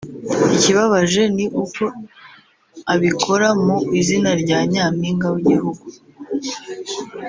ikibabaje ni uko abikora mu izina rya Nyampinga w’igihugu